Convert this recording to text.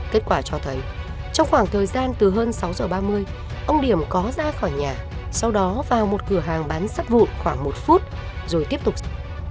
kết quả cho thấy trong khoảng thời gian từ hơn sáu giờ ba mươi ông điểm có ra khỏi nhà sau đó vào một cửa hàng bán sắt vụn khoảng một phút rồi tiếp tục